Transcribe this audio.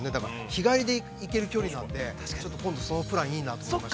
日帰りで行ける距離なので、ちょっと今度そのプランいいなと思いました。